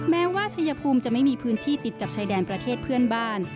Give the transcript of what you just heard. แม้ว่าชายภูมิจะไม่มีพื้นที่ติดกับชายแดนประเทศเพื่อนบ้าน